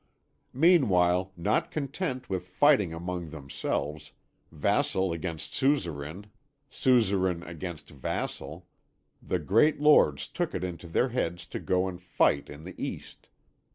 "Meanwhile, not content with fighting among themselves, vassal against suzerain, suzerain against vassal, the great lords took it into their heads to go and fight in the East.